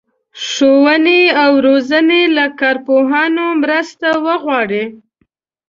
ښوونې او روزنې له کارپوهانو مرسته وغواړي.